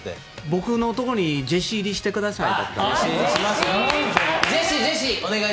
僕のところにジェシー入りしてください。